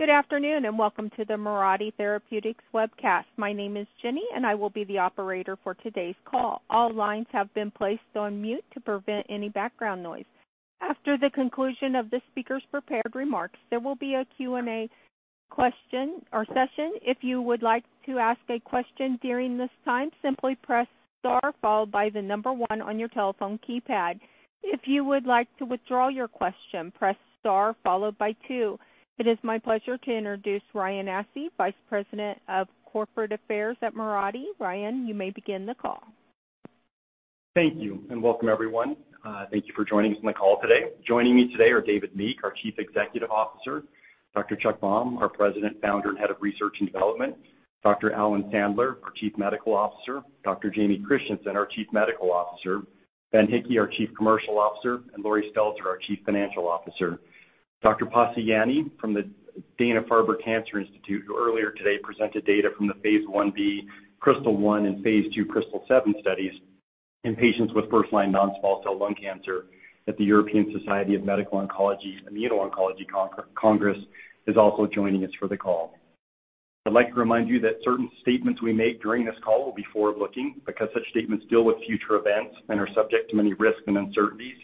Good afternoon. Welcome to the Mirati Therapeutics webcast. My name is Jenny, and I will be the operator for today's call. All lines have been placed on mute to prevent any background noise. After the conclusion of the speaker's prepared remarks, there will be a Q&A question or session. If you would like to ask a question during this time, simply press star followed by 1 on your telephone keypad. If you would like to withdraw your question, press star followed by 2. It is my pleasure to introduce Ryan Assefi, Vice President of Corporate Affairs at Mirati. Ryan, you may begin the call. Thank you, welcome, everyone. Thank you for joining us on the call today. Joining me today are David Meek, our Chief Executive Officer, Dr. Chuck Baum, our President, Founder, and Head of Research and Development, Dr. Alan Sandler, our Chief Medical Officer, Dr. James Christensen, our Chief Medical Officer, Ben Hickey, our Chief Commercial Officer, and Laurie Stelzer, our Chief Financial Officer. Dr. Pasi Jänne from the Dana-Farber Cancer Institute, who earlier today presented data from the phase I-B KRYSTAL-1 and phase II KRYSTAL-7 studies in patients with first-line non-small cell lung cancer at the ESMO Immuno-Oncology Congress, is also joining us for the call. I'd like to remind you that certain statements we make during this call will be forward-looking. Because such statements deal with future events and are subject to many risks and uncertainties,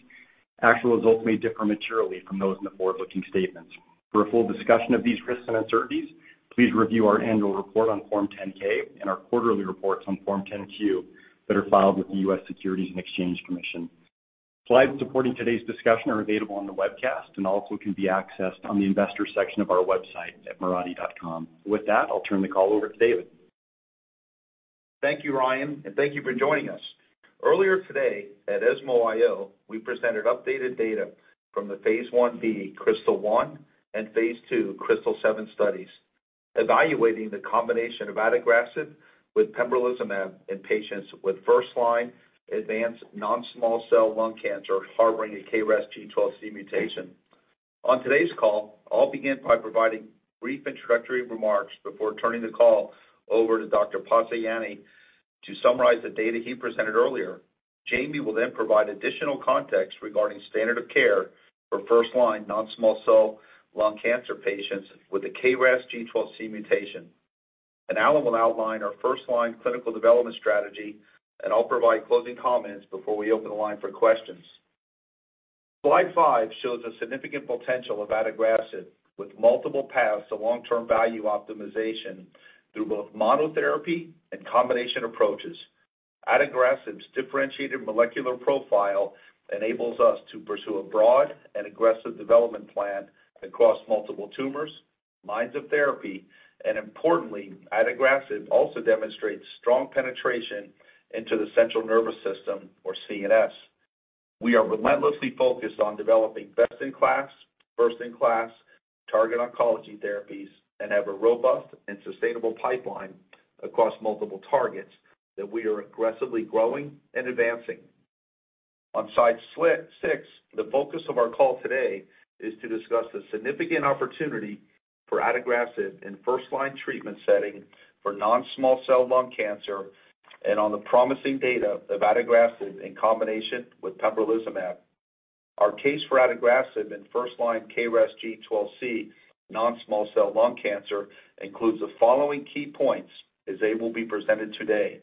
actual results may differ materially from those in the forward-looking statements. For a full discussion of these risks and uncertainties, please review our annual report on Form 10-K and our quarterly reports on Form 10-Q that are filed with the U.S. Securities and Exchange Commission. Slides supporting today's discussion are available on the webcast and also can be accessed on the investors section of our website at mirati.com. With that, I'll turn the call over to David. Thank you, Ryan, and thank you for joining us. Earlier today at ESMO, we presented updated data from the phase I-B KRYSTAL-1 and phase II KRYSTAL-7 studies evaluating the combination of adagrasib with pembrolizumab in patients with first-line advanced non-small cell lung cancer harboring a KRAS G12C mutation. On today's call, I'll begin by providing brief introductory remarks before turning the call over to Dr. Pasi Janne to summarize the data he presented earlier. Jamie will provide additional context regarding standard of care for first-line non-small cell lung cancer patients with a KRAS G12C mutation. Alan will outline our first-line clinical development strategy, and I'll provide closing comments before we open the line for questions. Slide five shows the significant potential of adagrasib, with multiple paths to long-term value optimization through both monotherapy and combination approaches. Adagrasib's differentiated molecular profile enables us to pursue a broad and aggressive development plan across multiple tumors, lines of therapy, and importantly, adagrasib also demonstrates strong penetration into the central nervous system, or CNS. We are relentlessly focused on developing best-in-class, first-in-class targeted oncology therapies and have a robust and sustainable pipeline across multiple targets that we are aggressively growing and advancing. On slide six, the focus of our call today is to discuss the significant opportunity for adagrasib in first-line treatment setting for non-small cell lung cancer and on the promising data of adagrasib in combination with pembrolizumab. Our case for adagrasib in first-line KRAS G12C non-small cell lung cancer includes the following key points as they will be presented today.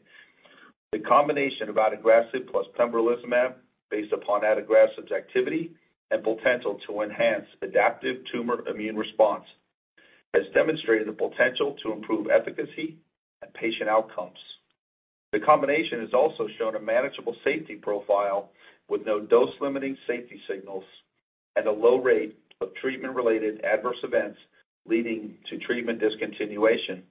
The combination of adagrasib plus pembrolizumab, based upon adagrasib's activity and potential to enhance adaptive tumor immune response, has demonstrated the potential to improve efficacy and patient outcomes. The combination has also shown a manageable safety profile with no dose-limiting safety signals and a low rate of treatment-related adverse events leading to treatment discontinuation.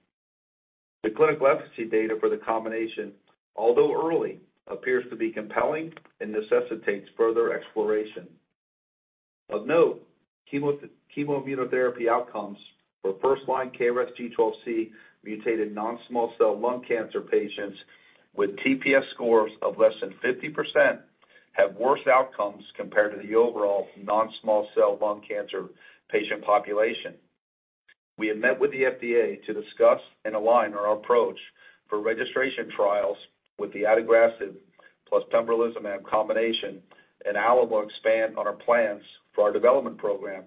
The clinical efficacy data for the combination, although early, appears to be compelling and necessitates further exploration. Of note, chemo-immunotherapy outcomes for first-line KRAS G12C mutated non-small cell lung cancer patients with TPS scores of less than 50% have worse outcomes compared to the overall non-small cell lung cancer patient population. We have met with the FDA to discuss and align our approach for registration trials with the adagrasib plus pembrolizumab combination, and Alan will expand on our plans for our development program.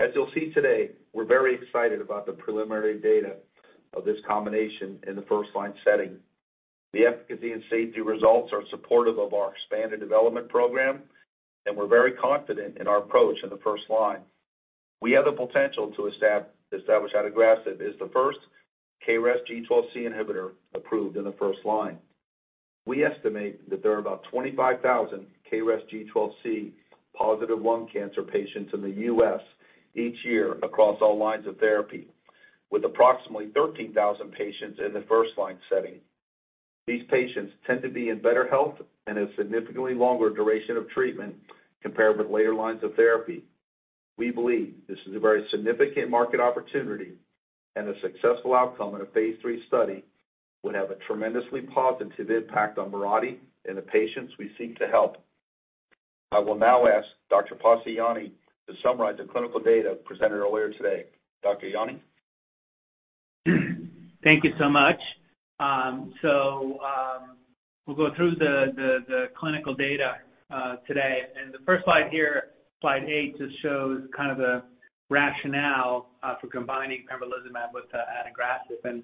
As you'll see today, we're very excited about the preliminary data of this combination in the first-line setting. The efficacy and safety results are supportive of our expanded development program, and we're very confident in our approach in the first line. We have the potential to establish adagrasib as the first KRAS G12C inhibitor approved in the first line. We estimate that there are about 25,000 KRAS G12C positive lung cancer patients in the U.S. each year across all lines of therapy, with approximately 13,000 patients in the first-line setting. These patients tend to be in better health and have significantly longer duration of treatment compared with later lines of therapy. We believe this is a very significant market opportunity and a successful outcome in a phase III study would have a tremendously positive impact on Mirati and the patients we seek to help. I will now ask Dr. Pasi Jänne to summarize the clinical data presented earlier today. Dr. Janne? Thank you so much. We'll go through the clinical data today. The first slide here, slide eight, just shows kind of the rationale for combining pembrolizumab with adagrasib.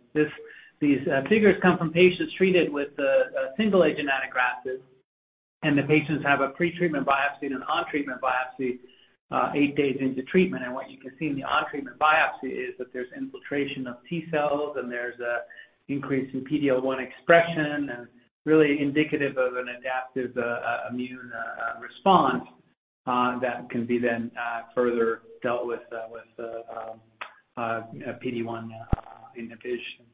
These figures come from patients treated with the single-agent adagrasib, and the patients have a pre-treatment biopsy and an on-treatment biopsy eight days into treatment. What you can see in the on-treatment biopsy is that there's infiltration of T cells, and there's an increase in PD-L1 expression, and really indicative of an adaptive immune response that can be then further dealt with with PD-1 inhibition.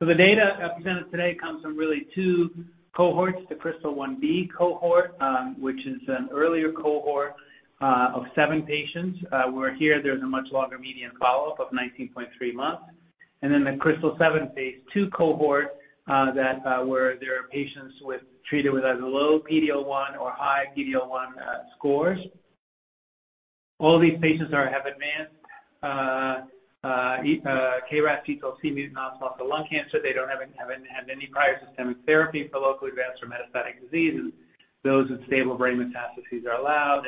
The data presented today comes from really two cohorts: the KRYSTAL-1B cohort, which is an earlier cohort, of 7 patients, where here there's a much longer median follow-up of 19.3 months, and then the KRYSTAL-7 phase II cohort, that where there are patients with treated with either low PD-L1 or high PD-L1 scores. All these patients have advanced KRAS G12C mutant non-small cell lung cancer. They haven't had any prior systemic therapy for locally advanced or metastatic disease. Those with stable brain metastases are allowed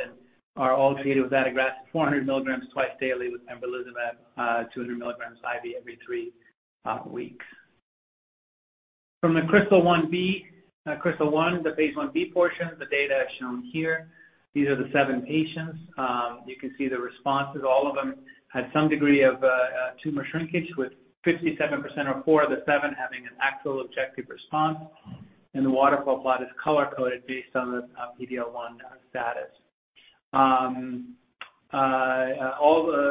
and are all treated with adagrasib 400 milligrams twice daily with pembrolizumab 200 milligrams IV every 3 weeks. From the KRYSTAL-1B, KRYSTAL-1, the phase I-B portion, the data is shown here. These are the 7 patients. You can see the responses. All of them had some degree of tumor shrinkage with 57% or 4 of the 7 having an actual objective response. The waterfall plot is color-coded based on the PD-L1 status. All the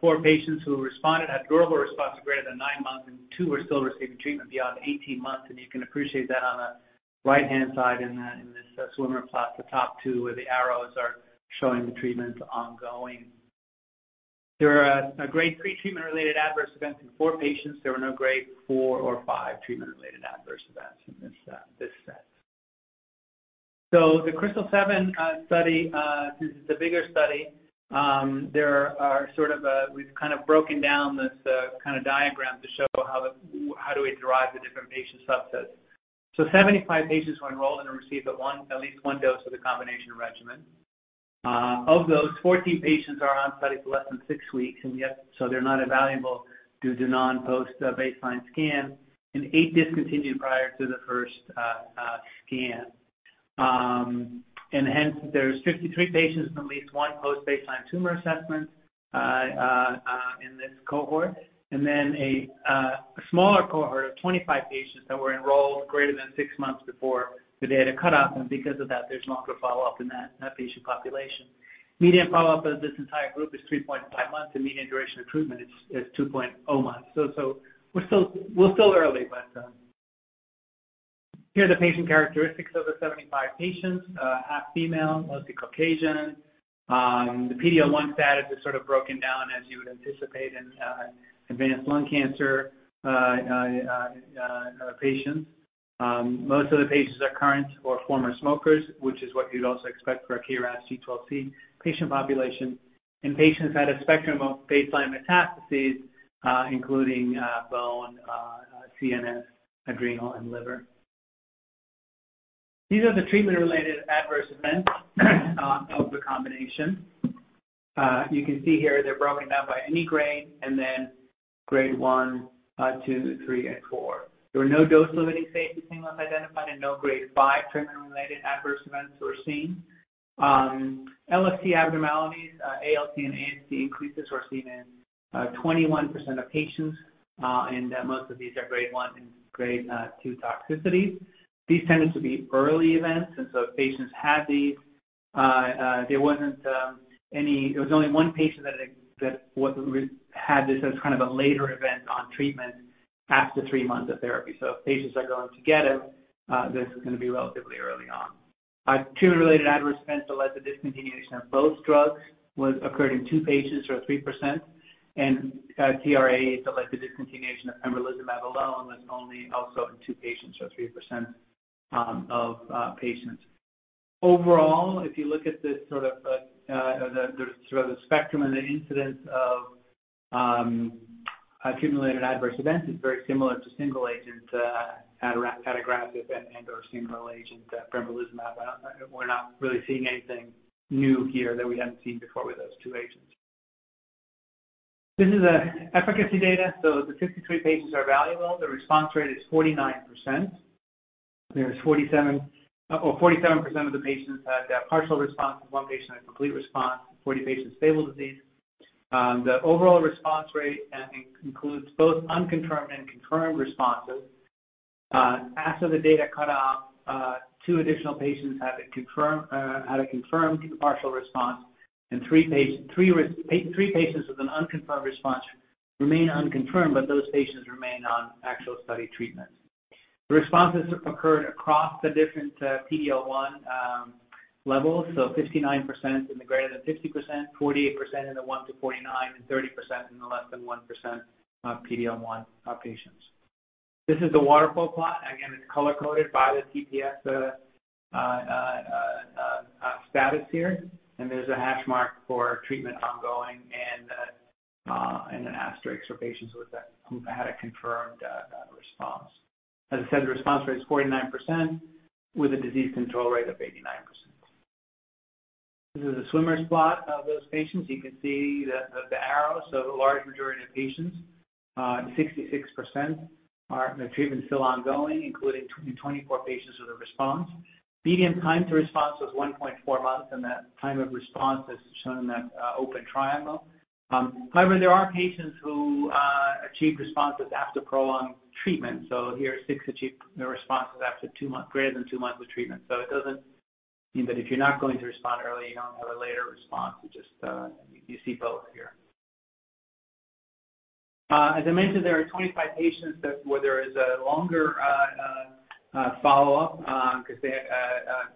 4 patients who responded had durable response of greater than 9 months, and 2 are still receiving treatment beyond 18 months, and you can appreciate that on the right-hand side in that, in this swimmer plot. The top 2 where the arrows are showing the treatment ongoing. There are a grade 3 treatment-related adverse events in 4 patients. There were no grade 4 or 5 treatment-related adverse events in this set. The KRYSTAL-7 study, this is a bigger study. There are sort of we've kind of broken down this kind of diagram to show how do we derive the different patient subsets. 75 patients were enrolled and received at least one dose of the combination regimen. Of those, 14 patients are on study for less than 6 weeks, so they're not evaluable due to non post baseline scan and 8 discontinued prior to the first scan. Hence there's 53 patients with at least one post baseline tumor assessment in this cohort. A smaller cohort of 25 patients that were enrolled greater than 6 months before the data cutoff, and because of that, there's longer follow-up in that patient population. Median follow-up of this entire group is 3.5 months, and median duration of treatment is 2.0 months. We're still early, but. Here are the patient characteristics of the 75 patients. Half female, mostly Caucasian. The PD-L1 status is sort of broken down as you would anticipate in advanced lung cancer patients. Most of the patients are current or former smokers, which is what you'd also expect for a KRAS G12C patient population. Patients had a spectrum of baseline metastases, including bone, CNS, adrenal and liver. These are the treatment-related adverse events of the combination. You can see here they're broken down by any grade and then grade one, two, three and four. There were no dose-limiting safety signals identified and no grade-five treatment-related adverse events were seen. LFT abnormalities, ALT and AST increases were seen in 21% of patients, and most of these are grade 1 and grade 2 toxicities. These tended to be early events. If patients had these, there was only 1 patient that had this as kind of a later event on treatment after 3 months of therapy. If patients are going to get it, this is gonna be relatively early on. Treatment-related adverse events that led to discontinuation of both drugs was occurred in 2 patients or 3%. TRAEs that led to discontinuation of pembrolizumab alone was only also in 2 patients or 3% of patients. Overall, if you look at this sort of, the, sort of the spectrum and the incidence of accumulated adverse events, it's very similar to single agent adagrasib and or single agent pembrolizumab. We're not really seeing anything new here that we haven't seen before with those two agents. This is efficacy data. The 53 patients are evaluable. The response rate is 49%. There's 47% of the patients had partial response, and 1 patient had complete response, 40 patients stable disease. The overall response rate includes both unconfirmed and confirmed responses. After the data cut off, 2 additional patients had a confirmed partial response, and 3 patients with an unconfirmed response remain unconfirmed, but those patients remain on actual study treatment. The responses occurred across the different PD-L1 levels, so 59% in the greater than 50%, 48% in the 1%-49%, and 30% in the less than 1% PD-L1 patients. This is the waterfall plot. Again, it's color-coded by the TPS status here, and there's a hash mark for treatment ongoing and an asterisk for patients who had a confirmed response. As I said, the response rate is 49% with a disease control rate of 89%. This is a swimmer's plot of those patients. You can see the arrows of a large majority of patients, 66% are the treatment's still ongoing, including 24 patients with a response. Median time to response was 1.4 months, and that time of response is shown in that open triangle. However, there are patients who achieved responses after prolonged treatment. Here 6 achieved the responses after greater than 2 months of treatment. It doesn't mean that if you're not going to respond early, you don't have a later response. It's just, you see both here. As I mentioned, there are 25 patients where there is a longer follow-up, 'cause they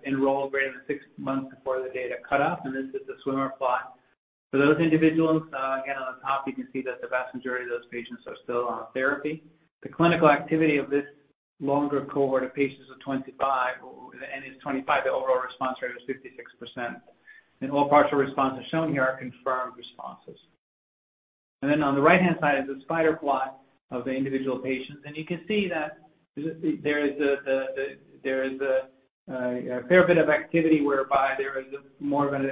enrolled greater than 6 months before the data cut-off. This is the swimmer plot. For those individuals, again, on top you can see that the vast majority of those patients are still on therapy. The clinical activity of this longer cohort of patients of 25, n is 25, the overall response rate was 56%. All partial responses shown here are confirmed responses. On the right-hand side is a spider plot of the individual patients, and you can see that there is a fair bit of activity whereby there is more of an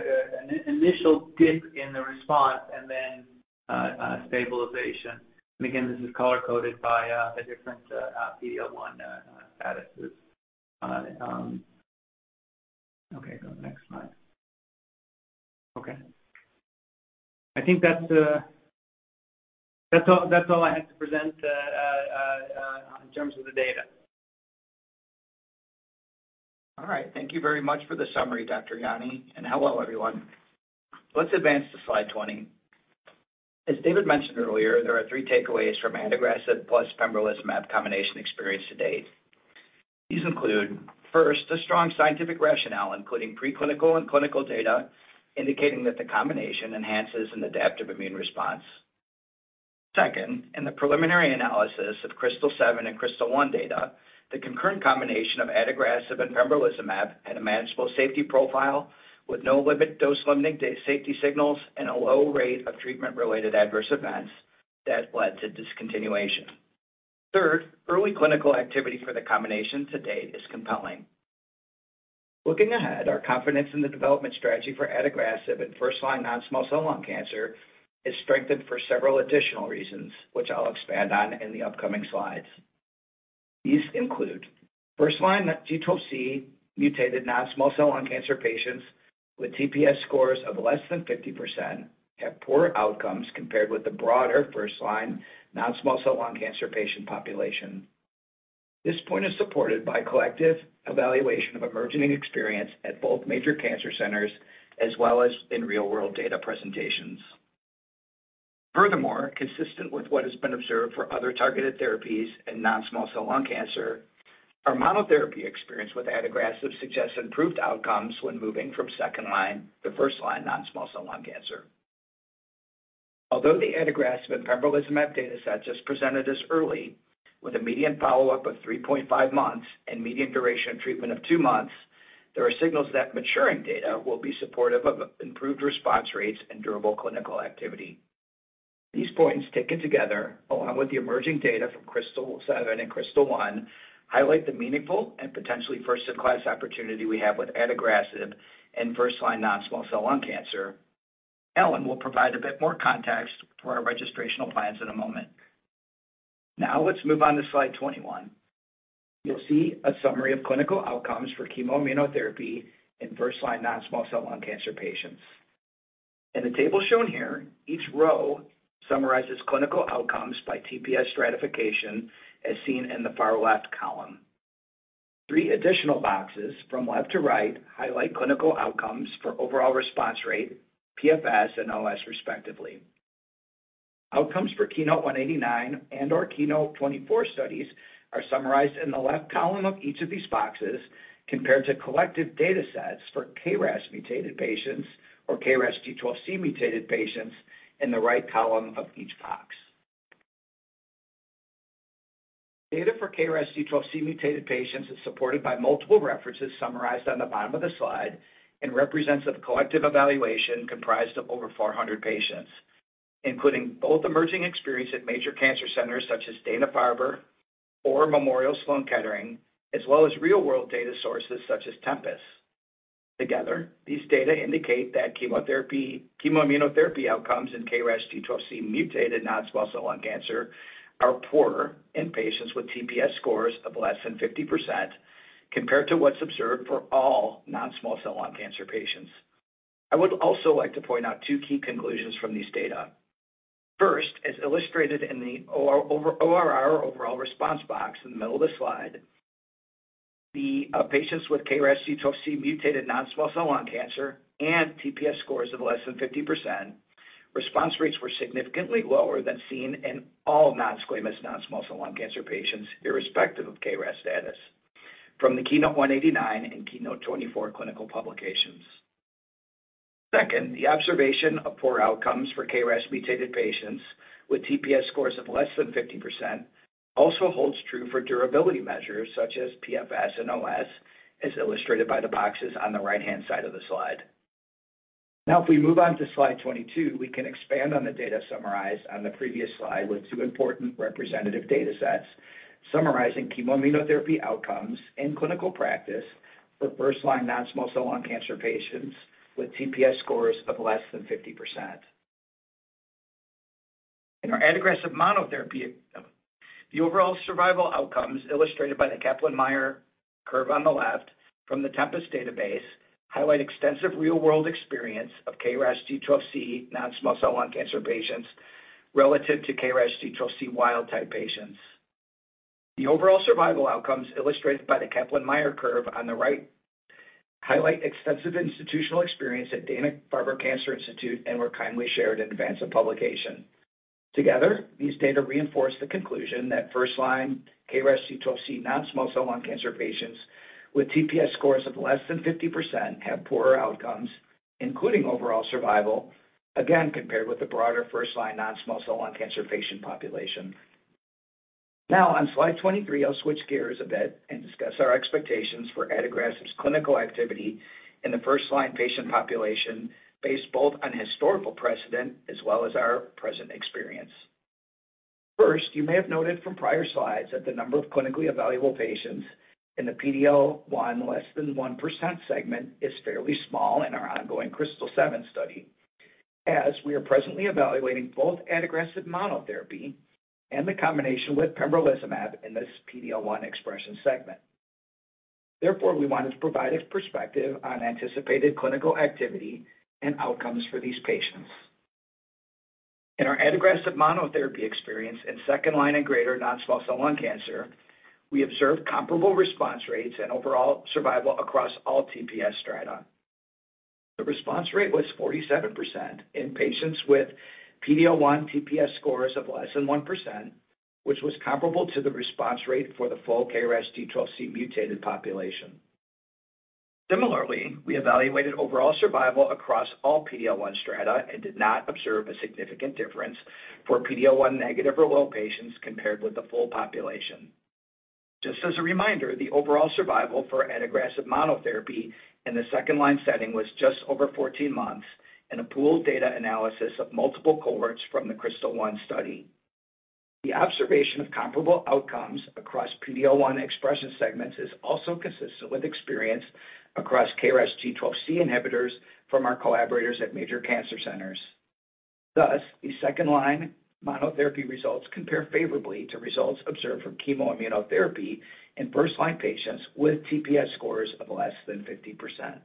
initial dip in the response and then stabilization. Again, this is color-coded by the different PD-L1 statuses. Okay, go to the next slide. Okay. I think that's all I have to present in terms of the data. All right. Thank you very much for the summary, Dr. Jänne. Hello, everyone. Let's advance to slide 20. As David mentioned earlier, there are three takeaways from adagrasib plus pembrolizumab combination experience to date. These include, first, the strong scientific rationale, including preclinical and clinical data, indicating that the combination enhances an adaptive immune response. Second, in the preliminary analysis of KRYSTAL-7 and KRYSTAL-1 data, the concurrent combination of adagrasib and pembrolizumab had a manageable safety profile with no dose limiting safety signals and a low rate of treatment-related adverse events that led to discontinuation. Third, early clinical activity for the combination to date is compelling. Looking ahead, our confidence in the development strategy for adagrasib in first-line non-small cell lung cancer is strengthened for several additional reasons, which I'll expand on in the upcoming slides. These include first-line G12C-mutated non-small cell lung cancer patients with TPS scores of less than 50% have poorer outcomes compared with the broader first-line non-small cell lung cancer patient population. This point is supported by collective evaluation of emerging experience at both major cancer centers as well as in real-world data presentations. Consistent with what has been observed for other targeted therapies in non-small cell lung cancer, our monotherapy experience with adagrasib suggests improved outcomes when moving from second-line to first-line non-small cell lung cancer. The adagrasib and pembrolizumab data set just presented is early, with a median follow-up of 3.5 months and median duration of treatment of 2 months, there are signals that maturing data will be supportive of improved response rates and durable clinical activity. These points taken together, along with the emerging data from KRYSTAL-7 and KRYSTAL-1, highlight the meaningful and potentially first-in-class opportunity we have with adagrasib in first-line non-small cell lung cancer. Alan will provide a bit more context for our registrational plans in a moment. Let's move on to slide 21. You'll see a summary of clinical outcomes for chemo-immunotherapy in first-line non-small cell lung cancer patients. In the table shown here, each row summarizes clinical outcomes by TPS stratification, as seen in the far left column. Three additional boxes from left to right highlight clinical outcomes for overall response rate, PFS, and OS respectively. Outcomes for KEYNOTE-189 and/or KEYNOTE-024 studies are summarized in the left column of each of these boxes, compared to collective data sets for KRAS-mutated patients or KRAS G12C-mutated patients in the right column of each box. Data for KRAS G12C-mutated patients is supported by multiple references summarized on the bottom of the slide and represents a collective evaluation comprised of over 400 patients, including both emerging experience at major cancer centers such as Dana-Farber or Memorial Sloan Kettering, as well as real world data sources such as Tempus. Together, these data indicate that chemo-immunotherapy outcomes in KRAS G12C-mutated non-small cell lung cancer are poorer in patients with TPS scores of less than 50% compared to what's observed for all non-small cell lung cancer patients. I would also like to point out two key conclusions from these data. As illustrated in the ORR, overall response box in the middle of the slide, the patients with KRAS G12C-mutated non-small cell lung cancer and TPS scores of less than 50%, response rates were significantly lower than seen in all non-squamous non-small cell lung cancer patients, irrespective of KRAS status, from the KEYNOTE-189 and KEYNOTE-024 clinical publications. The observation of poor outcomes for KRAS mutated patients with TPS scores of less than 50% also holds true for durability measures such as PFS and OS, as illustrated by the boxes on the right-hand side of the slide. If we move on to slide 22, we can expand on the data summarized on the previous slide with two important representative data sets summarizing chemo-immunotherapy outcomes in clinical practice for first-line non-small cell lung cancer patients with TPS scores of less than 50%. In our adagrasib monotherapy, the overall survival outcomes illustrated by the Kaplan-Meier curve on the left from the Tempus database highlight extensive real-world experience of KRAS G12C non-small cell lung cancer patients relative to KRAS G12C wild type patients. The overall survival outcomes illustrated by the Kaplan-Meier curve on the right highlight extensive institutional experience at Dana-Farber Cancer Institute and were kindly shared in advance of publication. Together, these data reinforce the conclusion that first-line KRAS G12C non-small cell lung cancer patients with TPS scores of less than 50% have poorer outcomes, including overall survival, again, compared with the broader first-line non-small cell lung cancer patient population. On slide 23, I'll switch gears a bit and discuss our expectations for adagrasib's clinical activity in the first-line patient population based both on historical precedent as well as our present experience. You may have noted from prior slides that the number of clinically evaluable patients in the PD-L1 less than 1% segment is fairly small in our ongoing KRYSTAL-7 study, as we are presently evaluating both adagrasib monotherapy and the combination with pembrolizumab in this PD-L1 expression segment. We want to provide a perspective on anticipated clinical activity and outcomes for these patients. In our adagrasib monotherapy experience in second-line and greater non-small cell lung cancer, we observed comparable response rates and overall survival across all TPS strata. The response rate was 47% in patients with PD-L1 TPS scores of less than 1%, which was comparable to the response rate for the full KRAS G12C mutated population. Similarly, we evaluated overall survival across all PD-L1 strata and did not observe a significant difference for PD-L1 negative or low patients compared with the full population. Just as a reminder, the overall survival for adagrasib monotherapy in the second-line setting was just over 14 months in a pooled data analysis of multiple cohorts from the KRYSTAL-1 study. The observation of comparable outcomes across PD-L1 expression segments is also consistent with experience across KRAS G12C inhibitors from our collaborators at major cancer centers. Thus, the second-line monotherapy results compare favorably to results observed from chemo-immunotherapy in first-line patients with TPS scores of less than 50%.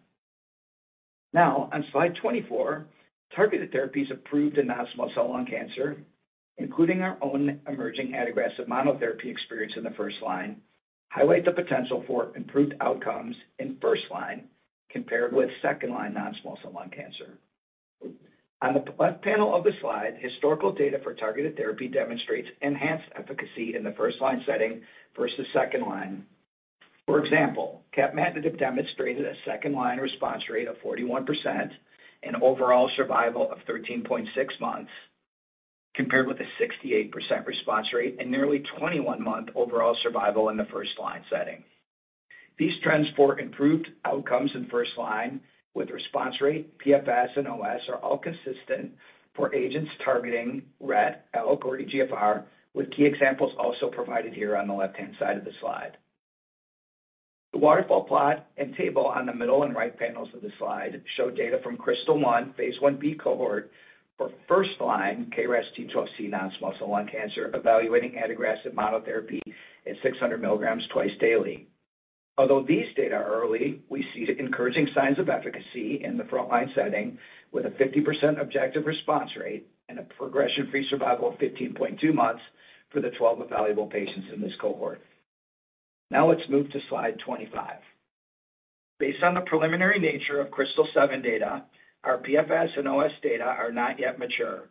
Now on slide 24, targeted therapies approved in non-small cell lung cancer, including our own emerging adagrasib monotherapy experience in the first line, highlight the potential for improved outcomes in first-line compared with second-line non-small cell lung cancer. On the left panel of the slide, historical data for targeted therapy demonstrates enhanced efficacy in the first-line setting versus second-line. For example, capmatinib demonstrated a second-line response rate of 41% and overall survival of 13.6 months compared with a 68% response rate and nearly 21-month overall survival in the first-line setting. These trends for improved outcomes in first-line with response rate, PFS, and OS are all consistent for agents targeting RET, ALK, or EGFR, with key examples also provided here on the left-hand side of the slide. The waterfall plot and table on the middle and right panels of the slide show data from KRYSTAL-1 phase I-B cohort for first-line KRAS G12C non-small cell lung cancer evaluating adagrasib monotherapy at 600 milligrams twice daily. Although these data are early, we see encouraging signs of efficacy in the frontline setting with a 50% objective response rate and a progression-free survival of 15.2 months for the 12 evaluable patients in this cohort. Let's move to slide 25. Based on the preliminary nature of KRYSTAL-7 data, our PFS and OS data are not yet mature.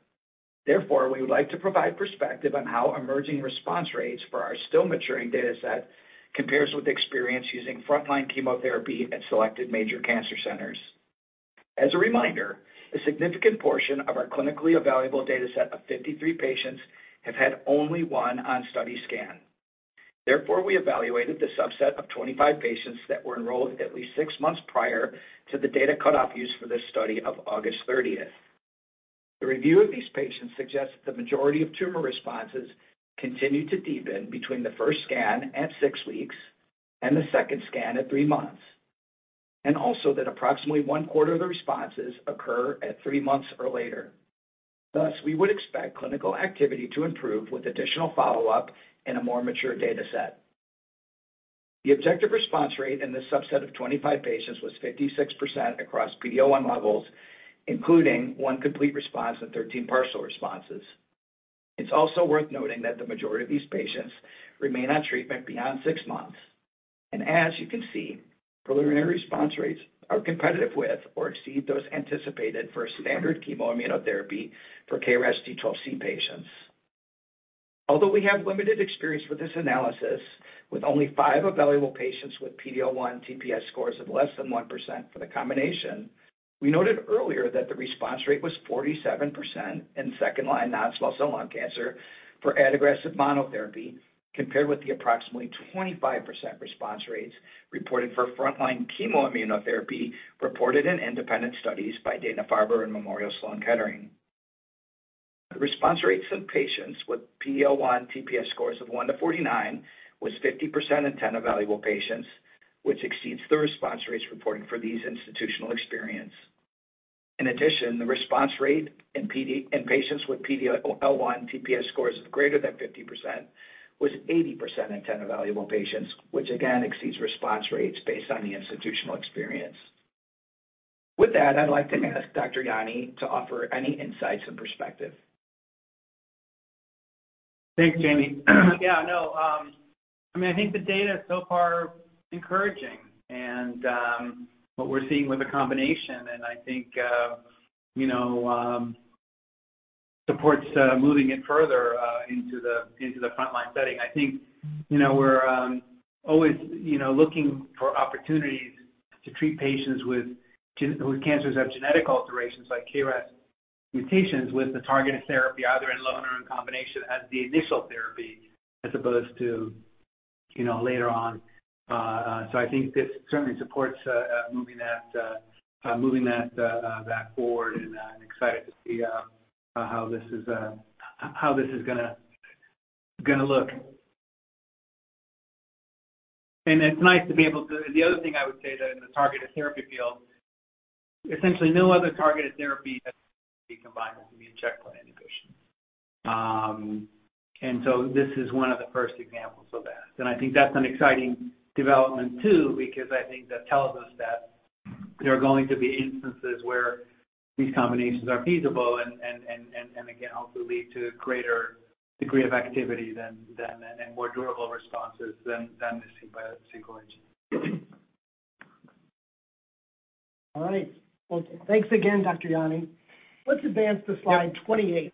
We would like to provide perspective on how emerging response rates for our still maturing data set compares with experience using frontline chemotherapy at selected major cancer centers. As a reminder, a significant portion of our clinically evaluable data set of 53 patients have had only one on-study scan. We evaluated the subset of 25 patients that were enrolled at least six months prior to the data cutoff used for this study of August 30th. The review of these patients suggests that the majority of tumor responses continued to deepen between the first scan at 6 weeks and the second scan at 3 months, and also that approximately one-quarter of the responses occur at 3 months or later. Thus, we would expect clinical activity to improve with additional follow-up in a more mature data set. The objective response rate in this subset of 25 patients was 56% across PD-L1 levels, including 1 complete response and 13 partial responses. It's also worth noting that the majority of these patients remain on treatment beyond 6 months. As you can see, preliminary response rates are competitive with or exceed those anticipated for standard chemo-immunotherapy for KRAS G12C patients. Although we have limited experience with this analysis, with only 5 evaluable patients with PD-L1 TPS scores of less than 1% for the combination, we noted earlier that the response rate was 47% in second-line non-small cell lung cancer for adagrasib monotherapy, compared with the approximately 25% response rates reported for frontline chemoimmunotherapy reported in independent studies by Dana-Farber and Memorial Sloan Kettering. The response rates of patients with PD-L1 TPS scores of 1-49 was 50% in 10 evaluable patients, which exceeds the response rates reported for these institutional experience. In addition, the response rate in patients with PD-L1 TPS scores of greater than 50% was 80% in 10 evaluable patients, which again exceeds response rates based on the institutional experience. With that, I'd like to ask Dr. Jänne to offer any insights and perspective. Thanks, Jamie. Yeah, no. I mean, I think the data so far are encouraging and, what we're seeing with the combination and I think, you know, supports moving it further into the frontline setting. I think, you know, we're always, you know, looking for opportunities to treat patients with cancers that have genetic alterations like KRAS mutations with the targeted therapy either alone or in combination as the initial therapy as opposed to, you know, later on. I think this certainly supports moving that that forward and I'm excited to see how this is how this is gonna look. It's nice to be able to The other thing I would say that in the targeted therapy field, essentially no other targeted therapy has been combined with immune checkpoint inhibition. This is one of the first examples of that. I think that's an exciting development too, because I think that tells us that there are going to be instances where these combinations are feasible and again, also lead to a greater degree of activity than and more durable responses than the single agent. All right. Well, thanks again, Dr. Jänne. Let's advance to slide 28,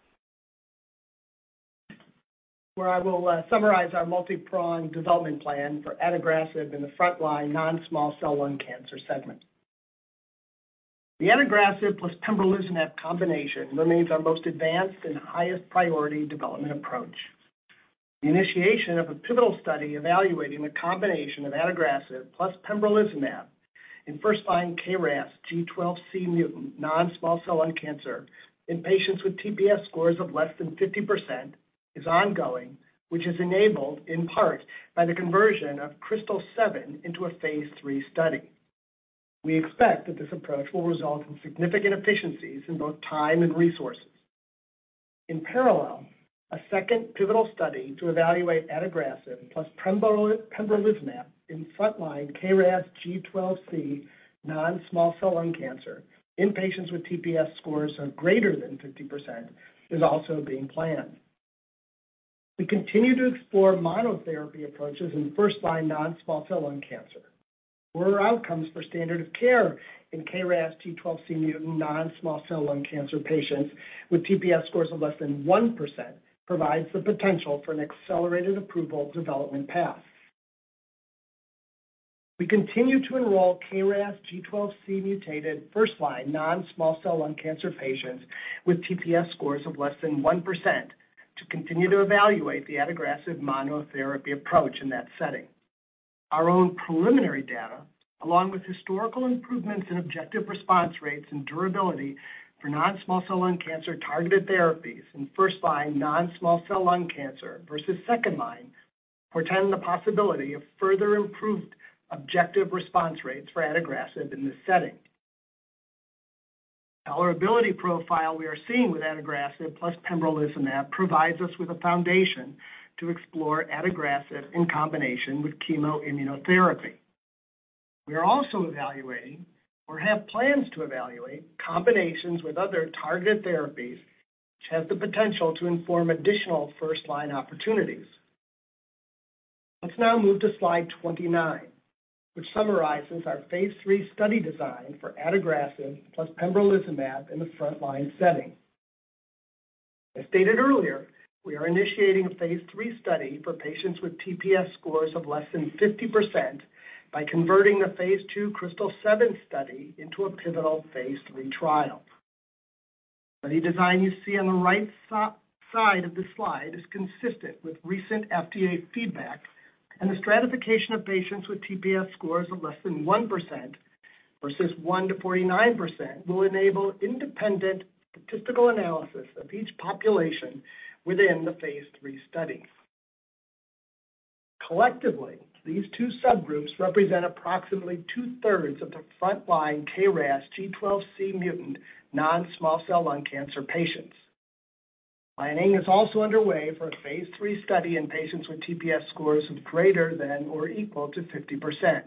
where I will summarize our multi-pronged development plan for adagrasib in the frontline non-small cell lung cancer segment. The adagrasib plus pembrolizumab combination remains our most advanced and highest priority development approach. The initiation of a pivotal study evaluating the combination of adagrasib plus pembrolizumab in first-line KRAS G12C mutant non-small cell lung cancer in patients with TPS scores of less than 50% is ongoing, which is enabled in part by the conversion of KRYSTAL-7 into a phase III study. We expect that this approach will result in significant efficiencies in both time and resources. In parallel, a second pivotal study to evaluate adagrasib plus pembrolizumab in frontline KRAS G12C non-small cell lung cancer in patients with TPS scores of greater than 50% is also being planned. We continue to explore monotherapy approaches in first-line non-small cell lung cancer. Poorer outcomes for standard of care in KRAS G12C mutant non-small cell lung cancer patients with TPS scores of less than 1% provides the potential for an accelerated approval development path. We continue to enroll KRAS G12C-mutated first-line non-small cell lung cancer patients with TPS scores of less than 1% to continue to evaluate the adagrasib monotherapy approach in that setting. Our own preliminary data, along with historical improvements in objective response rates and durability for non-small cell lung cancer targeted therapies in first-line non-small cell lung cancer versus second-line, portend the possibility of further improved objective response rates for adagrasib in this setting. The tolerability profile we are seeing with adagrasib plus pembrolizumab provides us with a foundation to explore adagrasib in combination with chemoimmunotherapy. We are also evaluating or have plans to evaluate combinations with other targeted therapies which has the potential to inform additional first-line opportunities. Let's now move to slide 29, which summarizes our phase III study design for adagrasib plus pembrolizumab in the frontline setting. As stated earlier, we are initiating a phase III study for patients with TPS scores of less than 50% by converting the phase II KRYSTAL-7 study into a pivotal phase III trial. The design you see on the right side of the slide is consistent with recent FDA feedback, and the stratification of patients with TPS scores of less than 1% versus 1 to 49% will enable independent statistical analysis of each population within the phase III study. Collectively, these two subgroups represent approximately two-thirds of the frontline KRAS G12C mutant non-small cell lung cancer patients. Planning is also underway for a phase III study in patients with TPS scores of greater than or equal to 50%.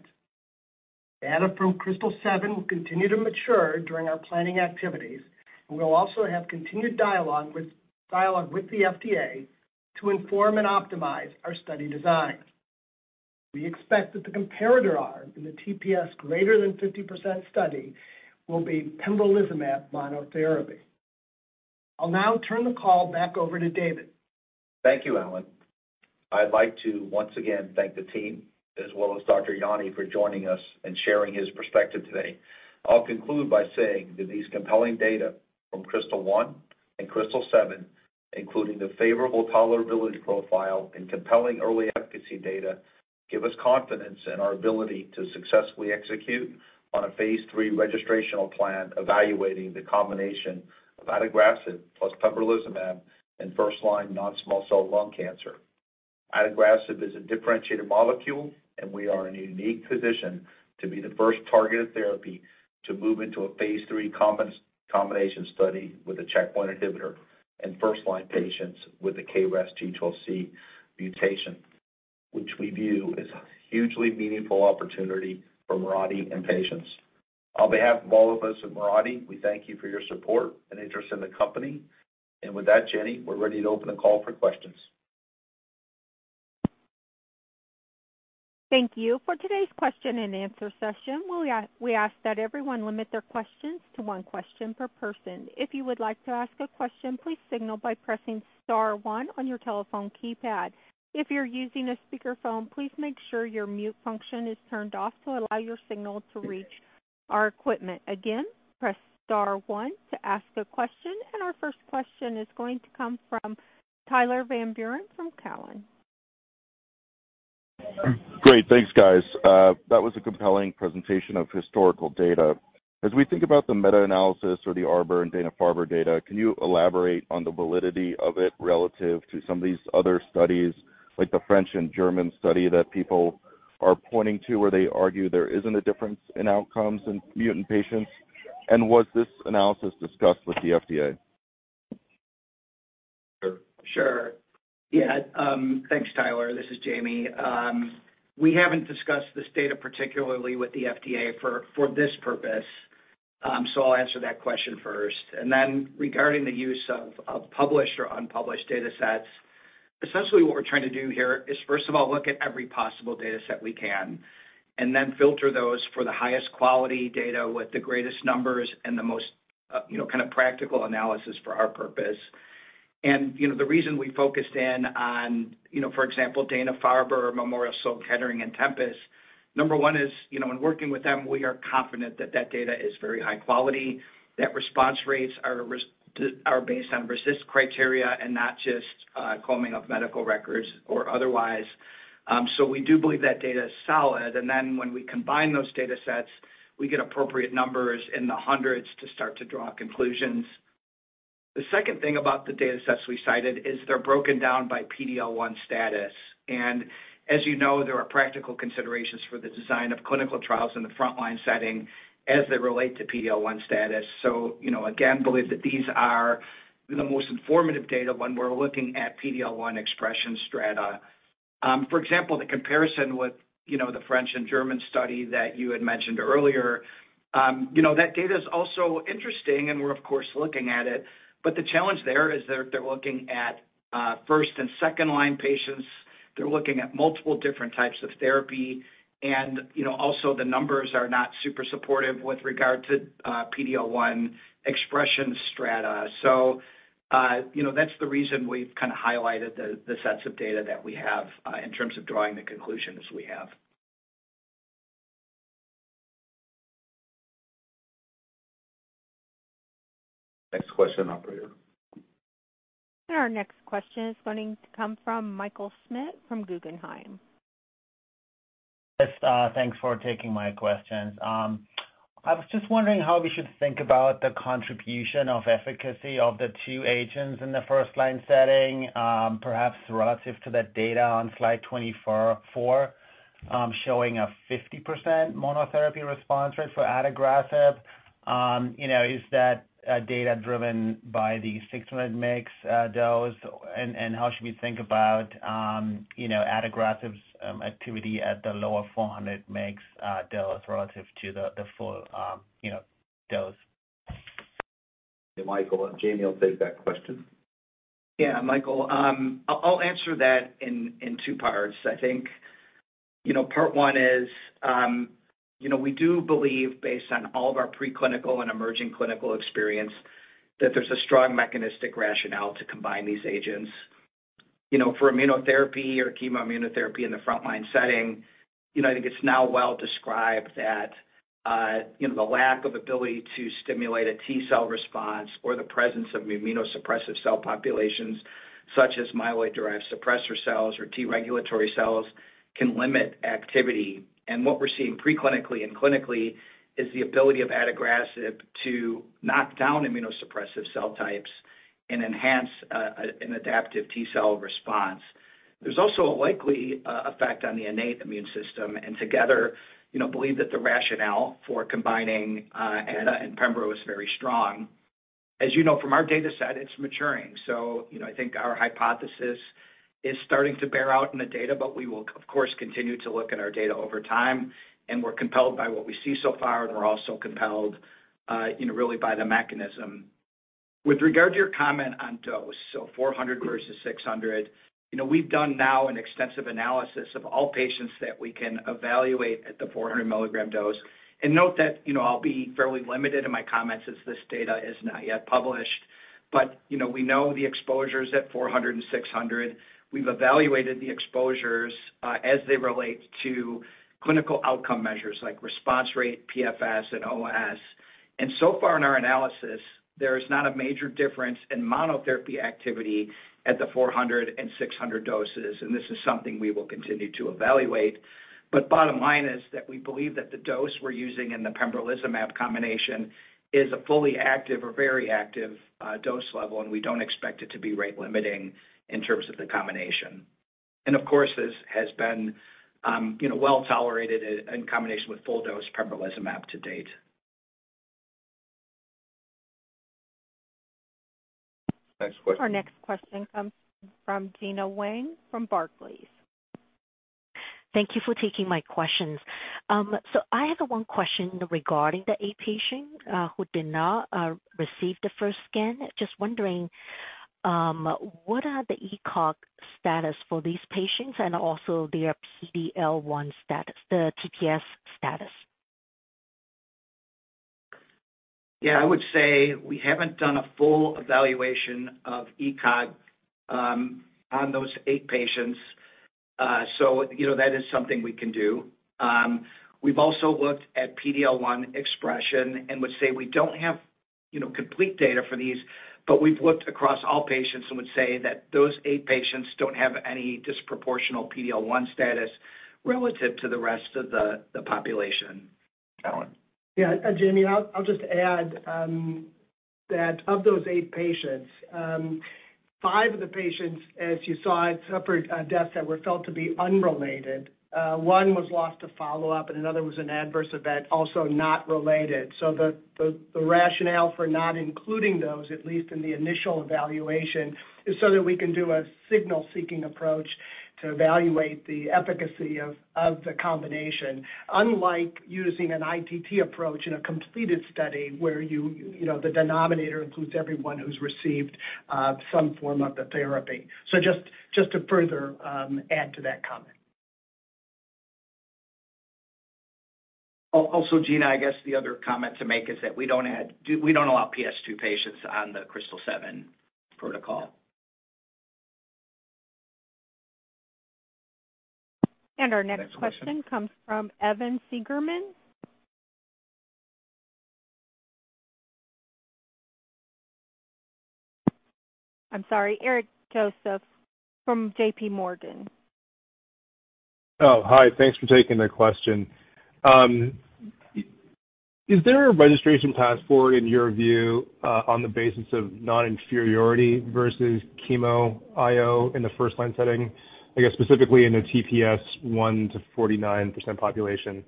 Data from KRYSTAL-7 will continue to mature during our planning activities, we'll also have continued dialogue with the FDA to inform and optimize our study design. We expect that the comparator arm in the TPS greater than 50% study will be pembrolizumab monotherapy. I'll now turn the call back over to David. Thank you, Alan. I'd like to once again thank the team as well as Dr. Jänne for joining us and sharing his perspective today. I'll conclude by saying that these compelling data from KRYSTAL-1 and KRYSTAL-7, including the favorable tolerability profile and compelling early efficacy data, give us confidence in our ability to successfully execute on a phase III registrational plan evaluating the combination of adagrasib plus pembrolizumab in first-line non-small cell lung cancer. Adagrasib is a differentiated molecule, we are in a unique position to be the first targeted therapy to move into a phase III combination study with a checkpoint inhibitor in first line patients with a KRAS G12C mutation, which we view as a hugely meaningful opportunity for Mirati and patients. On behalf of all of us at Mirati, we thank you for your support and interest in the company. With that, Jenny, we're ready to open the call for questions. Thank you. For today's question and answer session, we ask that everyone limit their questions to one question per person. If you would like to ask a question, please signal by pressing star one on your telephone keypad. If you're using a speakerphone, please make sure your mute function is turned off to allow your signal to reach our equipment. Again, press star one to ask a question. Our first question is going to come from Tyler Van Buren from Cowen. Great. Thanks, guys. That was a compelling presentation of historical data. As we think about the meta-analysis or the Arbor and Dana-Farber data, can you elaborate on the validity of it relative to some of these other studies, like the French and German study that people are pointing to, where they argue there isn't a difference in outcomes in mutant patients? Was this analysis discussed with the FDA? Sure. Yeah. Thanks, Tyler. This is Jamie. We haven't discussed this data particularly with the FDA for this purpose, so I'll answer that question first. Regarding the use of published or unpublished data sets, essentially what we're trying to do here is, first of all, look at every possible data set we can and then filter those for the highest quality data with the greatest numbers and the most, you know, kind of practical analysis for our purpose. You know, the reason we focused in on, you know, for example, Dana-Farber, Memorial Sloan Kettering, and Tempus, number one is, you know, in working with them, we are confident that that data is very high quality, that response rates are based on RECIST criteria and not just combing of medical records or otherwise. We do believe that data is solid. Then when we combine those data sets, we get appropriate numbers in the hundreds to start to draw conclusions. The second thing about the data sets we cited is they're broken down by PD-L1 status. As you know, there are practical considerations for the design of clinical trials in the frontline setting as they relate to PD-L1 status. You know, again, believe that these are the most informative data when we're looking at PD-L1 expression strata. For example, the comparison with, you know, the French and German study that you had mentioned earlier, you know, that data is also interesting, and we're of course, looking at it, but the challenge there is they're looking at first and second line patients. They're looking at multiple different types of therapy. You know, also the numbers are not super supportive with regard to PD-L1 expression strata. You know, that's the reason we've kind of highlighted the sets of data that we have in terms of drawing the conclusions we have. Next question, operator. Our next question is going to come from Michael Schmidt from Guggenheim. Yes, thanks for taking my questions. I was just wondering how we should think about the contribution of efficacy of the two agents in the first line setting, perhaps relative to that data on slide 24, showing a 50% monotherapy response rate for adagrasib. You know, is that data driven by the 600 mgs dose? How should we think about, you know, adagrasib's activity at the lower 400 mgs dose relative to the full, you know, dose? Michael, Jamie will take that question. Yeah, Michael, I'll answer that in two parts. I think, you know, part one is, you know, we do believe based on all of our preclinical and emerging clinical experience, that there's a strong mechanistic rationale to combine these agents. You know, for immunotherapy or chemoimmunotherapy in the frontline setting, you know, I think it's now well described that, you know, the lack of ability to stimulate a T-cell response or the presence of immunosuppressive cell populations, such as myeloid-derived suppressor cells or T-regulatory cells, can limit activity. What we're seeing preclinically and clinically is the ability of adagrasib to knock down immunosuppressive cell types and enhance an adaptive T-cell response. There's also a likely effect on the innate immune system, and together, you know, believe that the rationale for combining adagrasib and pembrolizumab is very strong. As you know, from our data set, it's maturing. You know, I think our hypothesis is starting to bear out in the data, but we will of course, continue to look at our data over time, and we're compelled by what we see so far, and we're also compelled, you know, really by the mechanism. With regard to your comment on dose, 400 versus 600. You know, we've done now an extensive analysis of all patients that we can evaluate at the 400 milligram dose. Note that, you know, I'll be fairly limited in my comments as this data is not yet published. You know, we know the exposures at 400 and 600. We've evaluated the exposures, as they relate to clinical outcome measures like response rate, PFS, and OS. So far in our analysis, there is not a major difference in monotherapy activity at the 400 and 600 doses, and this is something we will continue to evaluate. Bottom line is that we believe that the dose we're using in the pembrolizumab combination is a fully active or very active dose level, and we don't expect it to be rate-limiting in terms of the combination. Of course, this has been, you know, well-tolerated in combination with full dose pembrolizumab to date. Next question. Our next question comes from Gena Wang from Barclays. Thank you for taking my questions. I have one question regarding the 8 patient, who did not, receive the first scan. Just wondering, what are the ECOG status for these patients and also their PD-L1 status, the TPS status? I would say we haven't done a full evaluation of ECOG on those 8 patients. You know, that is something we can do. We've also looked at PD-L1 expression and would say we don't have, you know, complete data for these, but we've looked across all patients and would say that those 8 patients don't have any disproportional PD-L1 status relative to the rest of the population. Alan? Jamie, I'll just add that of those eight patients, five of the patients, as you saw, had separate deaths that were felt to be unrelated. One was lost to follow-up and another was an adverse event, also not related. The rationale for not including those, at least in the initial evaluation, is so that we can do a signal-seeking approach to evaluate the efficacy of the combination. Unlike using an ITT approach in a completed study where you know, the denominator includes everyone who's received some form of the therapy. Just to further add to that comment. Also, Gena, I guess the other comment to make is that we don't allow PS 2 patients on the KRYSTAL-7 protocol. Our next question comes from Eric Joseph. I'm sorry, Eric Joseph from JPMorgan. Hi. Thanks for taking the question. Is there a registration path forward, in your view, on the basis of non-inferiority versus Chemo IO in the first line setting? I guess, specifically in the TPS 1%-49% population.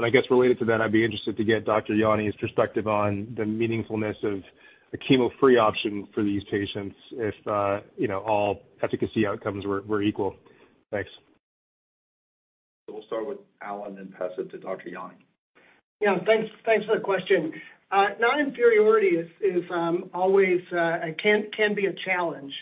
I guess related to that, I'd be interested to get Dr. Jänne's perspective on the meaningfulness of a chemo-free option for these patients if, you know, all efficacy outcomes were equal. Thanks. We'll start with Alan, then pass it to Dr. Yanni. Yeah. Thanks for the question. Non-inferiority is always a challenge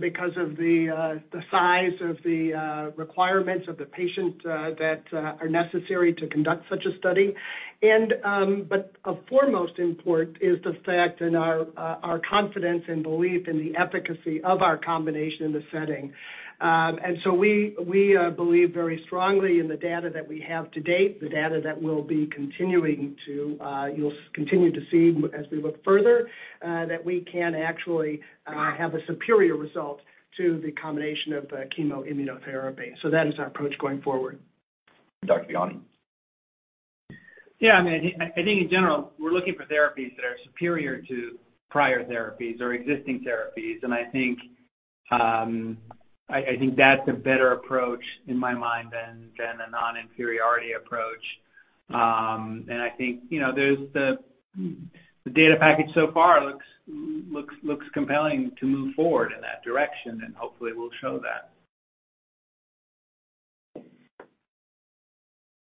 because of the size of the requirements of the patient that are necessary to conduct such a study. But of foremost import is the fact and our confidence and belief in the efficacy of our combination in the setting. We believe very strongly in the data that we have to date, the data that we'll be continuing to, you'll continue to see as we look further, that we can actually have a superior result to the combination of chemo immunotherapy. That is our approach going forward. Dr. Jänne. Yeah. I mean, I think in general, we're looking for therapies that are superior to prior therapies or existing therapies. I think, I think that's a better approach in my mind than a non-inferiority approach. I think, you know, there's the data package so far looks compelling to move forward in that direction, and hopefully we'll show that.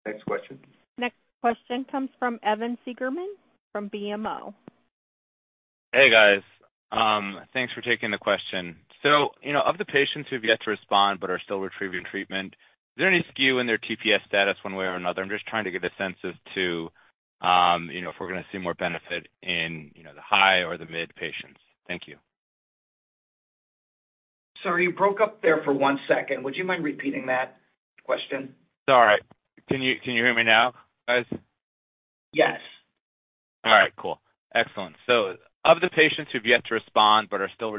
Next question. Next question comes from Eric Joseph from BMO. Hey, guys. Thanks for taking the question. You know, of the patients who've yet to respond but are still retrieving treatment, is there any skew in their TPS status one way or another? I'm just trying to get a sense as to, you know, if we're gonna see more benefit in, you know, the high or the mid patients. Thank you. Sorry, you broke up there for one second. Would you mind repeating that question? Sorry. Can you hear me now, guys? Yes. All right. Cool. Excellent. Of the patients who've yet to respond but are still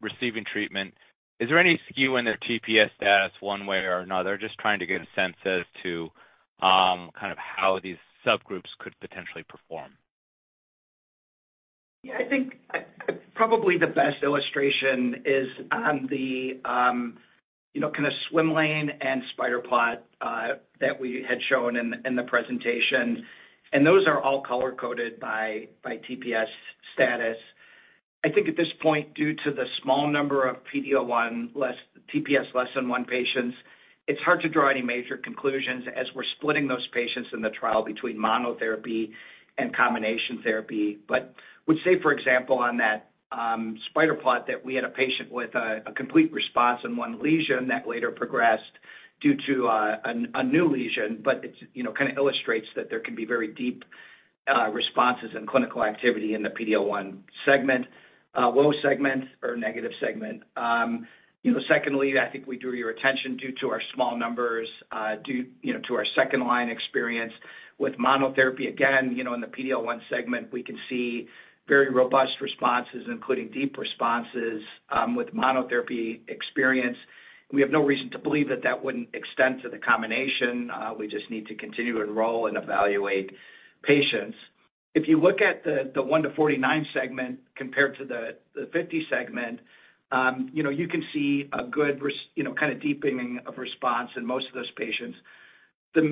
receiving treatment, is there any skew in their TPS status one way or another? Just trying to get a sense as to, kind of how these subgroups could potentially perform. I think, you know, probably the best illustration is on the kind of swim lane and spider plot that we had shown in the presentation. Those are all color-coded by TPS status. I think at this point, due to the small number of PD-L1 TPS less than 1 patients, it's hard to draw any major conclusions as we're splitting those patients in the trial between monotherapy and combination therapy. Would say, for example, on that spider plot that we had a patient with a complete response in 1 lesion that later progressed due to a new lesion, it's, you know, kind of illustrates that there can be very deep responses and clinical activity in the PD-L1 segment, low segment or negative segment. You know, secondly, I think we drew your attention due to our small numbers, you know, due to our 2nd line experience with monotherapy. You know, in the PD-L1 segment, we can see very robust responses, including deep responses, with monotherapy experience. We have no reason to believe that that wouldn't extend to the combination. We just need to continue to enroll and evaluate patients. If you look at the 1 to 49 segment compared to the 50 segment, you know, you can see a good, you know, kind of deepening of response in most of those patients. The,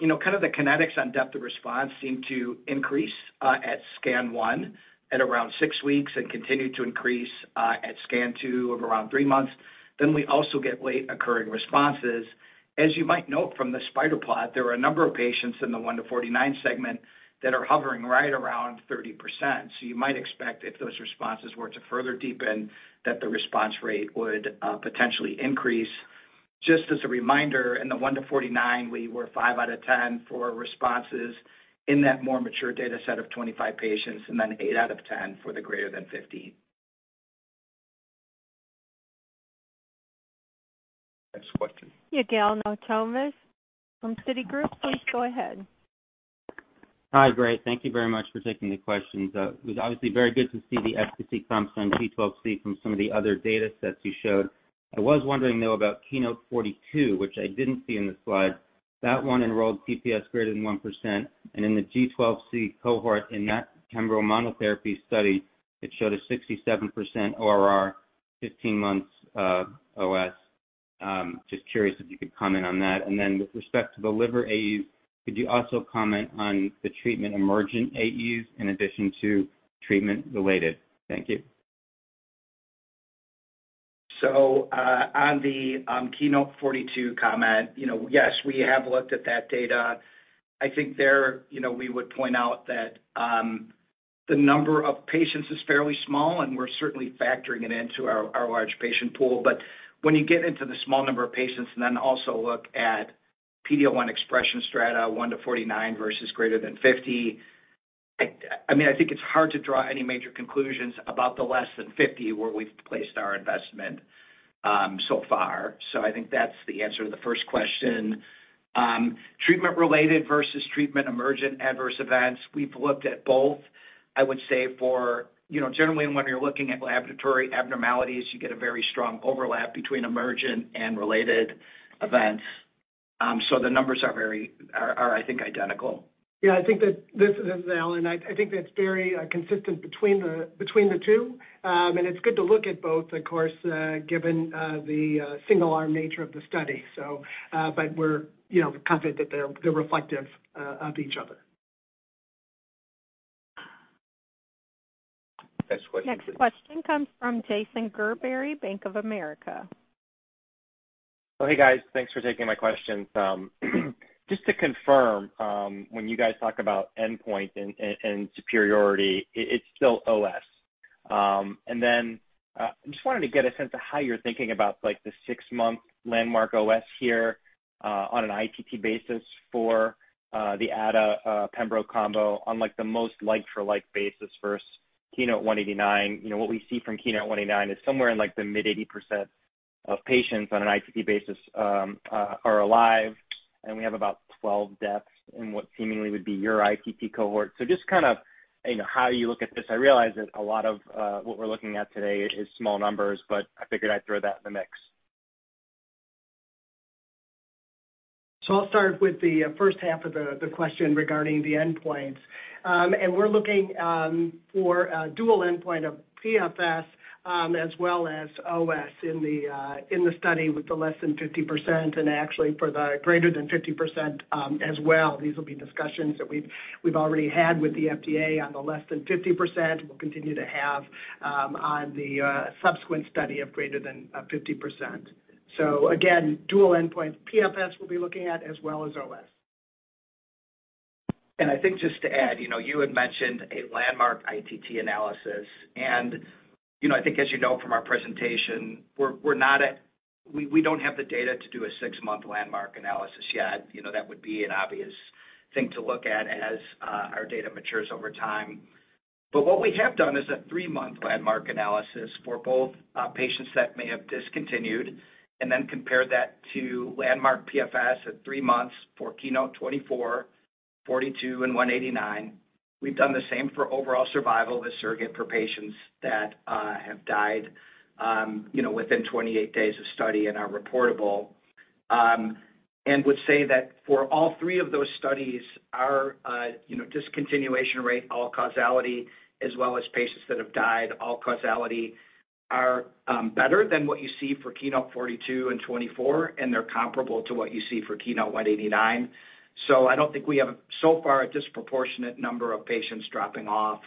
you know, kind of the kinetics on depth of response seem to increase at scan 1 at around 6 weeks and continue to increase at scan 2 of around 3 months. We also get late occurring responses. As you might note from the spider plot, there are a number of patients in the 1 to 49 segment that are hovering right around 30%. You might expect if those responses were to further deepen, that the response rate would potentially increase. Just as a reminder, in the 1 to 49, we were 5 out of 10 for responses in that more mature data set of 25 patients, and then 8 out of 10 for the greater than 50. Next question. Yigal Nochomovitz from Citigroup, please go ahead. Hi, great. Thank you very much for taking the questions. It was obviously very good to see the efficacy come from G12C from some of the other data sets you showed. I was wondering, though, about KEYNOTE-042, which I didn't see in the slides. That one enrolled PPS greater than 1%, and in the G12C cohort in that pembro monotherapy study, it showed a 67% ORR, 15 months OS. Just curious if you could comment on that. With respect to the liver AEs, could you also comment on the treatment emergent AEs in addition to treatment-related? Thank you. On the KEYNOTE-042 comment, you know, yes, we have looked at that data. I think there, you know, we would point out that the number of patients is fairly small, and we're certainly factoring it into our large patient pool. When you get into the small number of patients and then also look at PD-L1 expression strata 1-49 versus greater than 50, I mean, I think it's hard to draw any major conclusions about the less than 50 where we've placed our investment so far. I think that's the answer to the 1st question. Treatment related versus treatment emergent adverse events. We've looked at both. I would say for, you know, generally when you're looking at laboratory abnormalities, you get a very strong overlap between emergent and related events. The numbers are very are, I think, identical. I think that. This is Alan. I think that's very consistent between the two. It's good to look at both, of course, given the single arm nature of the study. But we're, you know, confident that they're reflective of each other. Next question. Next question comes from Jason Gerberry, Bank of America. Hey, guys. Thanks for taking my questions. Just to confirm, when you guys talk about endpoint and superiority, it's still OS. I just wanted to get a sense of how you're thinking about, like, the 6-month landmark OS here, on an ITT basis for the ADA pembrolizumab combo on, like, the most like for like basis versus KEYNOTE-189. You know, what we see from KEYNOTE-189 is somewhere in, like, the mid 80% of patients on an ITT basis are alive, and we have about 12 deaths in what seemingly would be your ITT cohort. Just kind of, you know, how you look at this. I realize that a lot of what we're looking at today is small numbers, but I figured I'd throw that in the mix. I'll start with the first half of the question regarding the endpoints. We're looking for a dual endpoint of PFS, as well as OS in the study with the less than 50% and actually for the greater than 50% as well. These will be discussions that we've already had with the FDA on the less than 50%. We'll continue to have on the subsequent study of greater than 50%. Again, dual endpoint PFS we'll be looking at as well as OS. I think just to add, you know, you had mentioned a landmark ITT analysis. You know, I think as you know from our presentation, We don't have the data to do a 6-month landmark analysis yet. You know, that would be an obvious thing to look at as our data matures over time. What we have done is a 3-month landmark analysis for both patients that may have discontinued and then compared that to landmark PFS at 3 months for KEYNOTE-024, KEYNOTE-042, and KEYNOTE-189. We've done the same for overall survival as surrogate for patients that have died, you know, within 28 days of study and are reportable would say that for all 3 of those studies, our, you know, discontinuation rate, all causality, as well as patients that have died, all causality are better than what you see for KEYNOTE-042 and KEYNOTE-024, and they're comparable to what you see for KEYNOTE-189. I don't think we have so far a disproportionate number of patients dropping of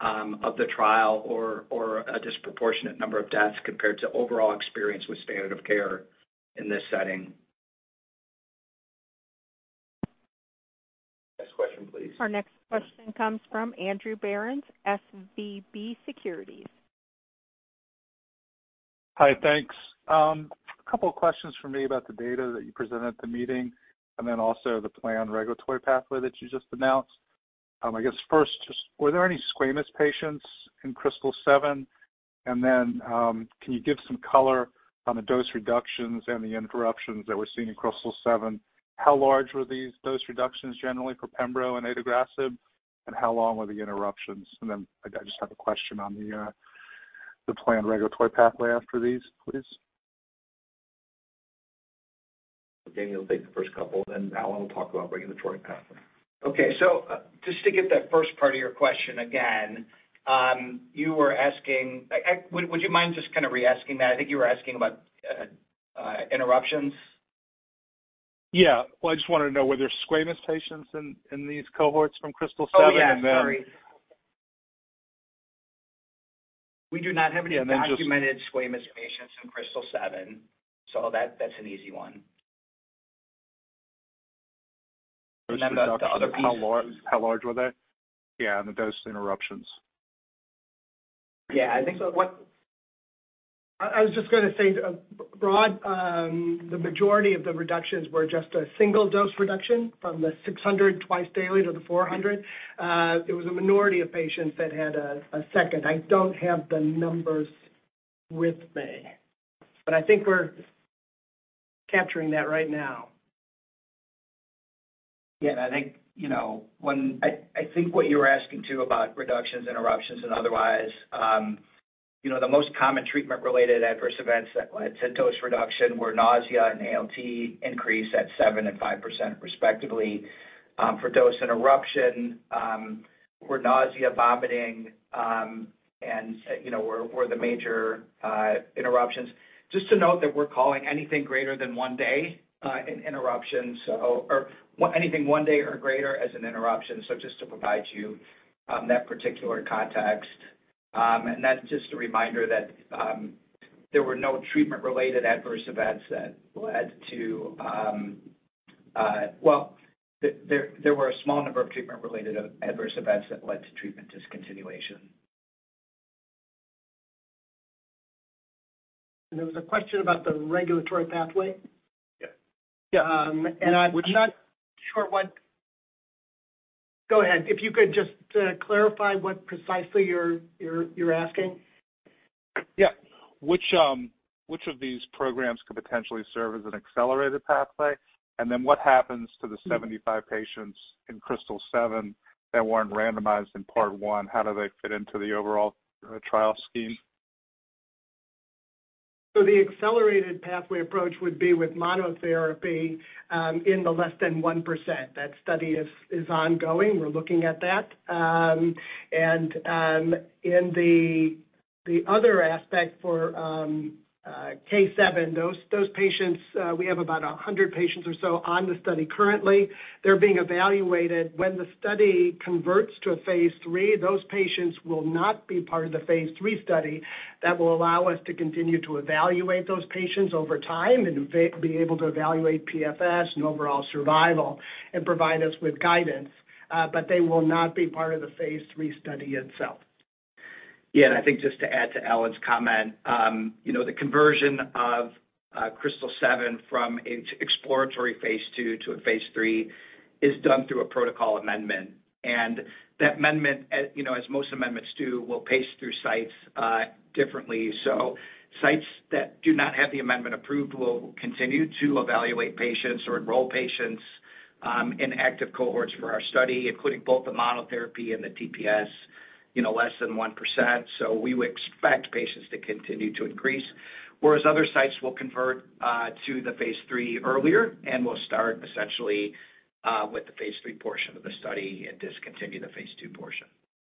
the trial or a disproportionate number of deaths compared to overall experience with standard of care in this setting. Next question, please. Our next question comes from Andrew Berens, SVB Securities. Hi, thanks. A couple of questions from me about the data that you presented at the meeting and then also the planned regulatory pathway that you just announced. I guess first, just were there any squamous patients in KRYSTAL-7? Can you give some color on the dose reductions and the interruptions that we're seeing in KRYSTAL-7? How large were these dose reductions generally for pembrolizumab and adagrasib, and how long were the interruptions? I just have a question on the planned regulatory pathway after these, please. Jamie will take the first couple, and Alan will talk about regulatory pathway. Okay. Just to get that first part of your question again, you were asking. Would you mind just kind of reasking that? I think you were asking about interruptions. Yeah. Well, I just wanted to know were there squamous patients in these cohorts from KRYSTAL-7 and then? Oh, yeah. Sorry. We do not have any documented squamous patients in KRYSTAL-7, so that's an easy one. The other piece. How large were they? Yeah, the dose interruptions. Yeah. I think what. I was just gonna say broad, the majority of the reductions were just a single dose reduction from the 600 twice daily to the 400. It was a minority of patients that had a second. I don't have the numbers with me, but I think we're capturing that right now. Yeah. I think, you know, what you were asking too about reductions, interruptions and otherwise, you know, the most common treatment-related adverse events that led to dose reduction were nausea and ALT increase at 7% and 5%, respectively. For dose interruption, were nausea, vomiting, and, you know, were the major interruptions. Just to note that we're calling anything greater than 1 day an interruption, or anything 1 day or greater as an interruption. Just to provide you that particular context. And that's just a reminder that there were a small number of treatment-related adverse events that led to treatment discontinuation. There was a question about the regulatory pathway. Yeah. I'm not sure what. Go ahead. If you could just clarify what precisely you're asking? Yeah. Which of these programs could potentially serve as an accelerated pathway? What happens to the 75 patients in KRYSTAL-7 that weren't randomized in part one? How do they fit into the overall trial scheme? The accelerated pathway approach would be with monotherapy, in the less than 1%. That study is ongoing. We're looking at that. In the other aspect for K-seven, those patients, we have about 100 patients or so on the study currently. They're being evaluated. When the study converts to a phase III, those patients will not be part of the phase III study. That will allow us to continue to evaluate those patients over time and be able to evaluate PFS and overall survival and provide us with guidance. They will not be part of the phase III study itself. Yeah. I think just to add to Alan's comment, you know, the conversion of KRYSTAL-7 from an exploratory phase II to a phase III is done through a protocol amendment. That amendment, as, you know, as most amendments do, will pace through sites differently. Sites that do not have the amendment approved will continue to evaluate patients or enroll patients in active cohorts for our study, including both the monotherapy and the TPS, you know, less than 1%. We would expect patients to continue to increase, whereas other sites will convert to the phase III earlier and will start essentially with the phase III portion of the study and discontinue the phase II portion.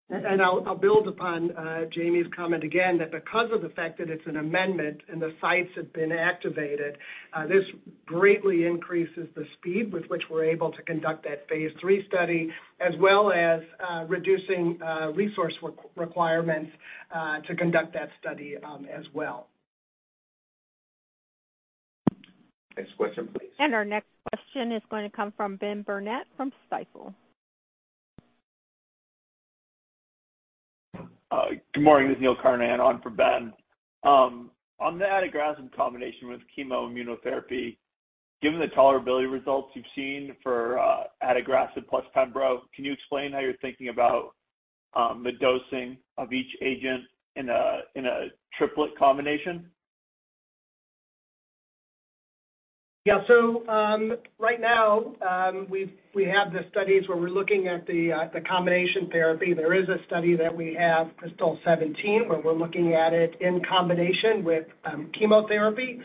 I'll build upon Jamie's comment again, that because of the fact that it's an amendment and the sites have been activated, this greatly increases the speed with which we're able to conduct that phase III study, as well as reducing resource requirements to conduct that study as well. Next question, please. Our next question is going to come from Benjamin Burnett from Stifel. Good morning. This is Neal Karnovsky on for Ben. On the adagrasib combination with chemoimmunotherapy, given the tolerability results you've seen for adagrasib plus pembrolizumab, can you explain how you're thinking about the dosing of each agent in a triplet combination? Right now, we have the studies where we're looking at the combination therapy. There is a study that we have, KRYSTAL-17, where we're looking at it in combination with chemotherapy,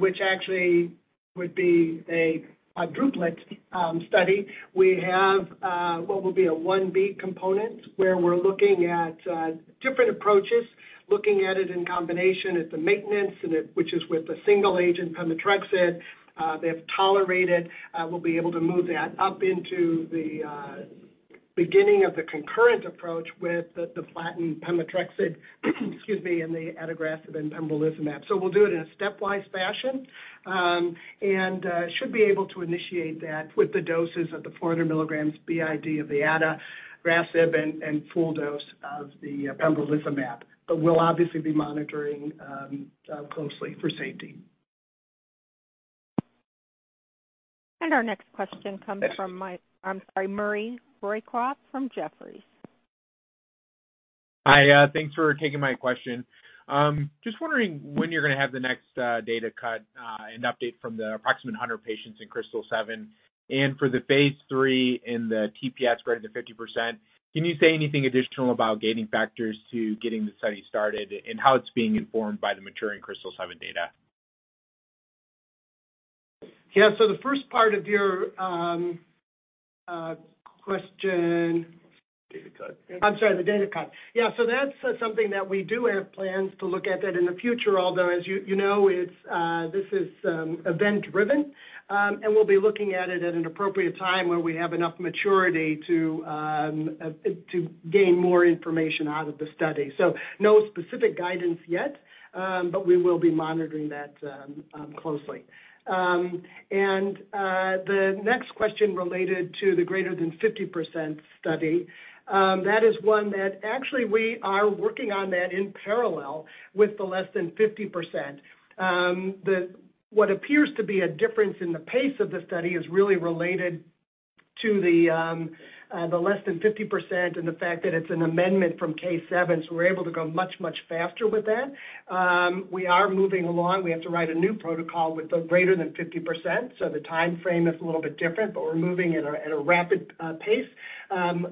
which actually would be a quadruplet study. We have what will be a 1B component, where we're looking at different approachesLooking at it in combination at the maintenance and it, which is with the single agent pemetrexed, they've tolerated, we'll be able to move that up into the beginning of the concurrent approach with the platinum pemetrexed, excuse me, and the adagrasib and pembrolizumab. We'll do it in a stepwise fashion, and should be able to initiate that with the doses of the 400 milligrams BID of the adagrasib and full dose of the pembrolizumab. We'll obviously be monitoring closely for safety. Our next question comes from I'm sorry, Maury Raycroft from Jefferies. Hi. Thanks for taking my question. Just wondering when you're gonna have the next data cut and update from the approximate 100 patients in KRYSTAL-7. For the phase III in the TPS greater than 50%, can you say anything additional about gating factors to getting the study started and how it's being informed by the maturing KRYSTAL-7 data? Yeah. the first part of your, question- Data cut. I'm sorry, the data cut. Yeah. That's something that we do have plans to look at that in the future, although as you know, it's this is event driven, and we'll be looking at it at an appropriate time when we have enough maturity to gain more information out of the study. No specific guidance yet, but we will be monitoring that closely. The next question related to the greater than 50% study, that is one that actually we are working on that in parallel with the less than 50%. What appears to be a difference in the pace of the study is really related to the less than 50% and the fact that it's an amendment from K-7, so we're able to go much, much faster with that. We are moving along. We have to write a new protocol with the greater than 50%, so the timeframe is a little bit different, but we're moving at a rapid pace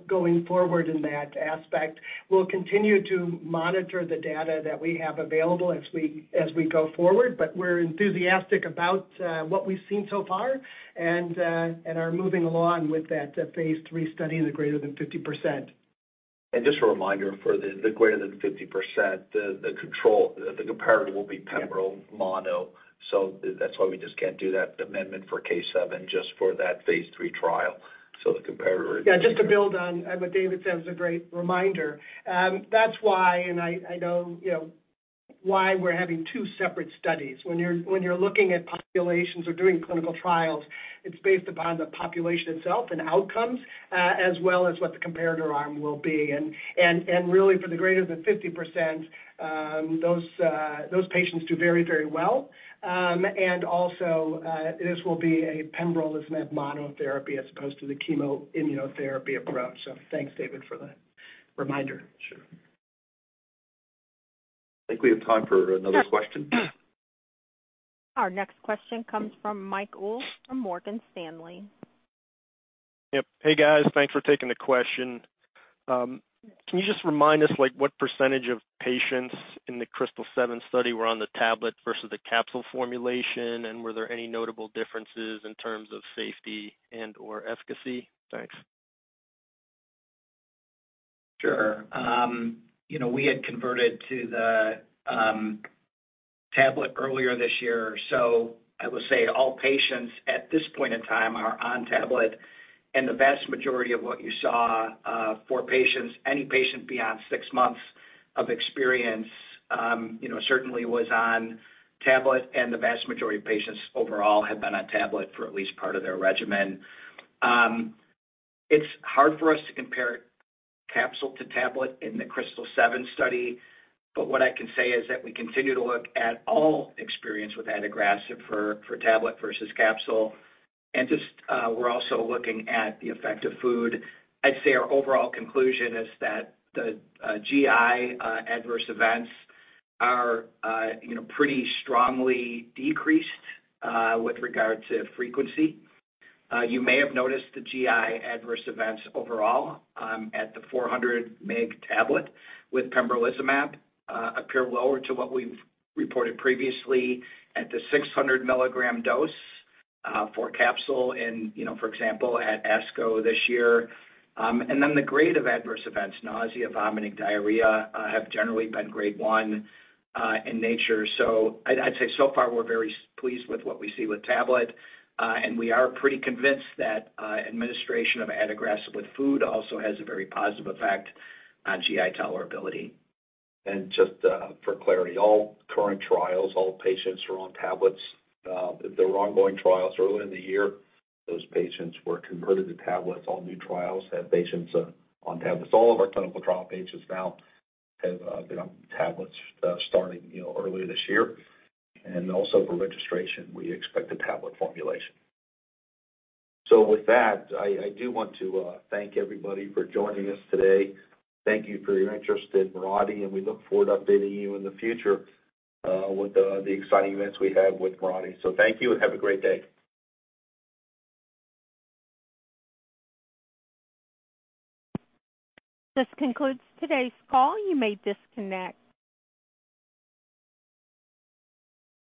going forward in that aspect. We'll continue to monitor the data that we have available as we go forward, but we're enthusiastic about what we've seen so far and are moving along with that phase III study in the greater than 50%. Just a reminder for the greater than 50%, the control, the comparator will be pembrolizumab mono. That's why we just can't do that amendment for KRYSTAL-7 just for that phase III trial. The comparator. Just to build on what David said was a great reminder. That's why, and I know, you know, why we're having two separate studies. When you're looking at populations or doing clinical trials, it's based upon the population itself and outcomes, as well as what the comparator arm will be. Really for the greater than 50%, those patients do very, very well. Also, this will be a pembrolizumab monotherapy as opposed to the chemo immunotherapy approach. Thanks, David, for that reminder. Sure. I think we have time for another question. Our next question comes from Michael Ulz from Morgan Stanley. Yep. Hey, guys. Thanks for taking the question. Can you just remind us, like, what % of patients in the KRYSTAL-7 study were on the tablet versus the capsule formulation? Were there any notable differences in terms of safety and/or efficacy? Thanks. Sure. you know, we had converted to the tablet earlier this year. I would say all patients at this point in time are on tablet, and the vast majority of what you saw for patients, any patient beyond six months of experience, you know, certainly was on tablet, and the vast majority of patients overall have been on tablet for at least part of their regimen. It's hard for us to compare capsule to tablet in the KRYSTAL-7 study, but what I can say is that we continue to look at all experience with adagrasib for tablet versus capsule. We're also looking at the effect of food. I'd say our overall conclusion is that the GI adverse events are, you know, pretty strongly decreased with regard to frequency. You may have noticed the GI adverse events overall, at the 400 mg tablet with pembrolizumab, appear lower to what we've reported previously at the 600 milligram dose, for capsule and, you know, for example, at ASCO this year. The grade of adverse events, nausea, vomiting, diarrhea, have generally been grade 1 in nature. I'd say so far we're very pleased with what we see with tablet, and we are pretty convinced that administration of adagrasib with food also has a very positive effect on GI tolerability. Just for clarity, all current trials, all patients are on tablets. The ongoing trials earlier in the year, those patients were converted to tablets. All new trials have patients on tablets. All of our clinical trial patients now have been on tablets, starting, you know, earlier this year. Also for registration, we expect a tablet formulation. With that, I do want to thank everybody for joining us today. Thank you for your interest in Mirati, and we look forward to updating you in the future with the exciting events we have with Mirati. Thank you and have a great day. This concludes today's call. You may disconnect.